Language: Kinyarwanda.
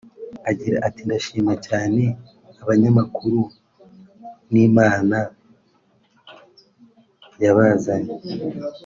Agira ati “Ndashima cyane aba banyamakuru n’Imana yabazanye